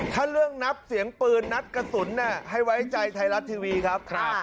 ถ้าเรื่องนับเสียงปืนนัดกระสุนให้ไว้ใจไทยรัฐทีวีครับ